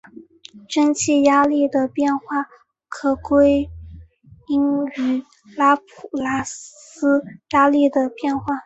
蒸气压力的变化可归因于拉普拉斯压力的变化。